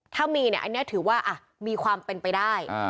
ถ้ามีเนี่ยอันนี้ถือว่ามีความเป็นไปได้